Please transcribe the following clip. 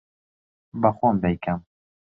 بە خۆم دەیکەم.